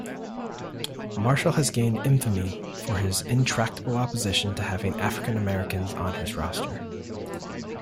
Marshall has gained infamy for his intractable opposition to having African-Americans on his roster.